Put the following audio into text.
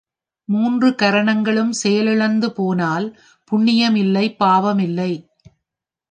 மூன்று கரணங்களும், செயலிழந்து போனால் புண்ணியம் இல்லை பாவம் இல்லை.